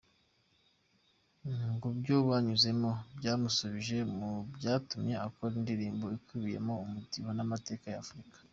Ngo ibyo yanyuzemo byamusubije mu cyatumye akora indirimbo ikubiyemo umudiho n’amateka ya Afurika.